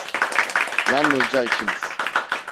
Yalnızca ikimiz.